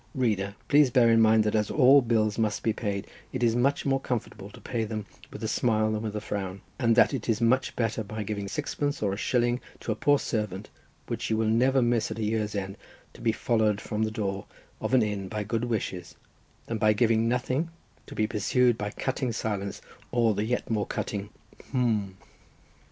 Reader, please to bear in mind that as all bills must be paid, it is much more comfortable to pay them with a smile than with a frown, and that it is much better by giving sixpence, or a shilling to a poor servant, which you will never miss at the year's end, to be followed from the door of an inn by good wishes, than by giving nothing to be pursued by cutting silence, or the yet more cutting Hm!